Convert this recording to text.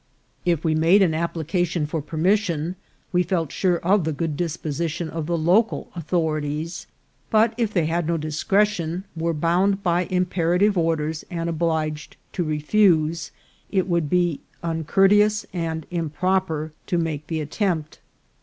If we made an application for permis sion, we felt sure of the good disposition of the local au thorities ; but if they had no discretion, were bound by imperative orders, and obliged to refuse, it would be uncourteous and improper to make the attempt.